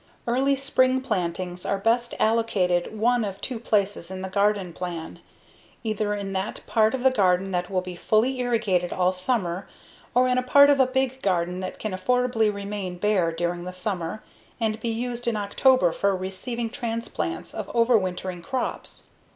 Early spring plantings are best allocated one of two places in the garden plan: either in that part of the garden that will be fully irrigated all summer or in a part of a big garden that can affordably remain bare during the summer and be used in October for receiving transplants of overwintering crops.